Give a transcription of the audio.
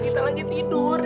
cita lagi tidur